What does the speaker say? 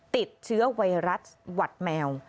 ติดเชื้อไวรัสหวัดแมว